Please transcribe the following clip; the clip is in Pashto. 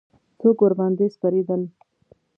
څوک ورباندې سپرېدل.